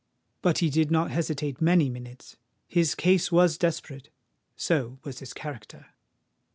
But he did not hesitate many minutes: his case was desperate—so was his character.